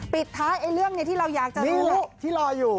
ปิดท้ายเรื่องนี้ที่เราอยากจะรู้แหละที่รออยู่